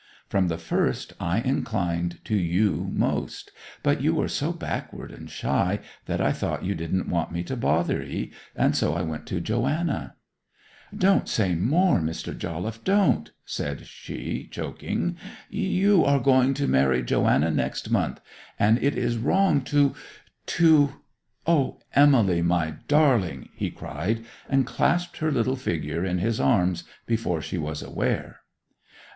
From the first I inclined to you most, but you were so backward and shy that I thought you didn't want me to bother 'ee, and so I went to Joanna.' 'Don't say any more, Mr. Jolliffe, don't!' said she, choking. 'You are going to marry Joanna next month, and it is wrong to—to—' 'O, Emily, my darling!' he cried, and clasped her little figure in his arms before she was aware.